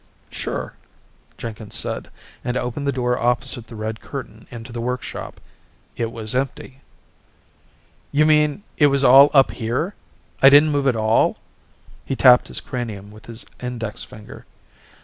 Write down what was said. "Sure," Jenkins said and opened the door opposite the red curtain into the workshop. It was empty. "You mean it was all up here? I didn't move at all?" He tapped his cranium with his index finger.